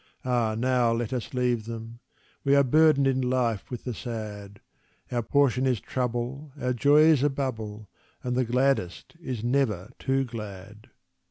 Ah, now let us leave them We are burdened in life with the sad; Our portion is trouble, our joy is a bubble, And the gladdest is never too glad.